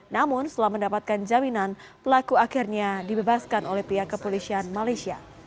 namun setelah mendapatkan jaminan pelaku akhirnya dibebaskan oleh pihak kepolisian malaysia